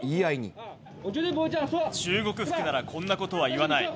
中国服ならこんなことは言わない！